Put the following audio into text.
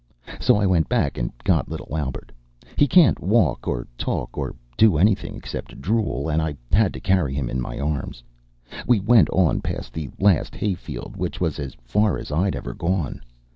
So I went back and got little Albert. He can't walk, or talk, or do anything except drool, and I had to carry him in my arms. We went on past the last hayfield, which was as far as I'd ever gone.